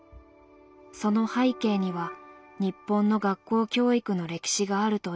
その背景には日本の学校教育の歴史があるといいます。